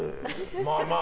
まあ、まあ。